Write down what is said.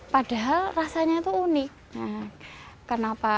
padahal rasanya itu unik